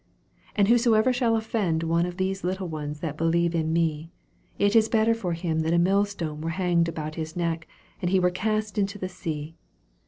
42 And whosoever shall offend one of these little ones that believe in me, t is better for him that a millstone were hanged about his neck and he were cast into the sea.